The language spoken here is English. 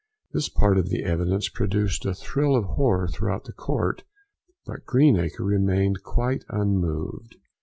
This part of the evidence produced a thrill of horror throughout the court, but Greenacre remained quite unmoved.